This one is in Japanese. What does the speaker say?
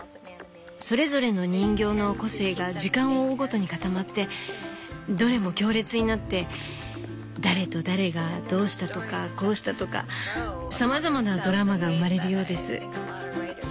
それぞれの人形の個性が時間を追うごとに固まってどれも強烈になって誰と誰がどうしたとかこうしたとかさまざまなドラマが生まれるようです。